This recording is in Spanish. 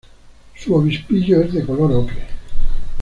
Su obispillo es de color ocre.